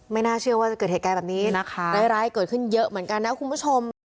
น่าเชื่อว่าจะเกิดเหตุการณ์แบบนี้นะคะร้ายเกิดขึ้นเยอะเหมือนกันนะคุณผู้ชม